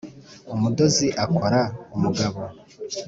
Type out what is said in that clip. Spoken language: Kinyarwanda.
umudozi akora umugabo.